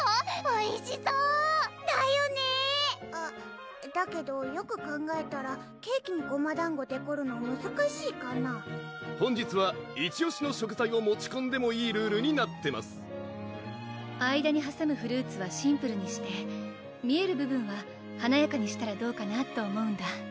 おいしそうだよねあっだけどよく考えたらケーキにごまだんごデコるのむずかしいかな本日はイチオシの食材を持ちこんでもいいルールになってます間にはさむフルーツはシンプルにして見える部分ははなやかにしたらどうかなと思うんだ